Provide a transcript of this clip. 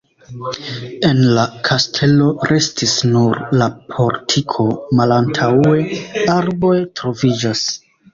El la kastelo restis nur la portiko, malantaŭe arboj troviĝas.